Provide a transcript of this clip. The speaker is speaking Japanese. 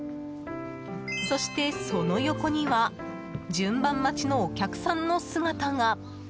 そして、その横には順番待ちのお客さんの姿が。